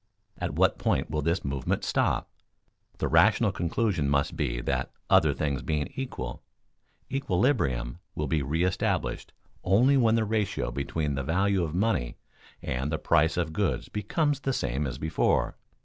At what point will this movement stop? The rational conclusion must be that "other things being equal" equilibrium will be reëstablished only when the ratio between the value of money and the price of goods becomes the same as before.